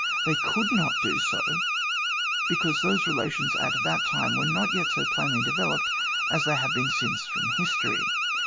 They could not do so because those re lations at that time were not yet so plainly developed as they have been since from history.